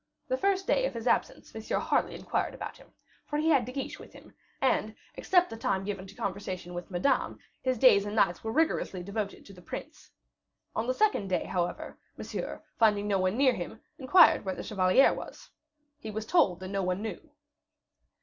The first day of his absence, Monsieur hardly inquired about him, for he had De Guiche with him, and, except that the time given to conversation with Madame, his days and nights were rigorously devoted to the prince. On the second day, however, Monsieur, finding no one near him, inquired where the chevalier was. He was told that no one knew.